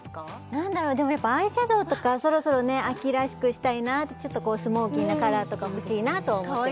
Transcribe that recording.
何だろうでもやっぱアイシャドウとかそろそろね秋らしくしたいなちょっとスモーキーなカラーとか欲しいなと思ってます